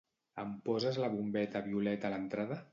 Em poses la bombeta violeta a l'entrada?